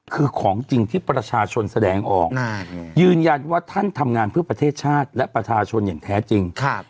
คือของจริงที่ประชาชนแสดงออกยืนยันว่าท่านทำงานเพื่อประเทศชาติและประชาชนอย่างแท้จริง